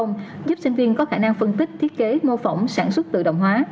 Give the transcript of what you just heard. giúp sinh viên có khả năng phân tích thiết kế mô phỏng sản xuất tự động hóa